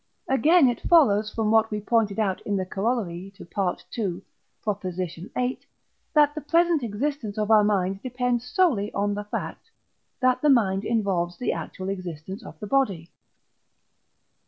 Again, it follows from what we pointed out in the Corollary to II. viii., that the present existence of our mind depends solely on the fact, that the mind involves the actual existence of the body.